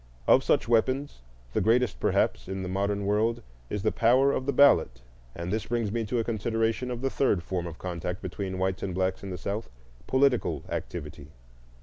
Of such weapons the greatest, perhaps, in the modern world is the power of the ballot; and this brings me to a consideration of the third form of contact between whites and blacks in the South,—political activity.